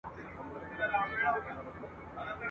ګل به ایښی پر ګرېوان وی ته به یې او زه به نه یم ..